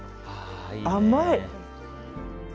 甘い！